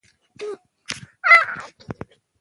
پروسس شوي خواړه ډېر مالګه، بوره او غوړي لري.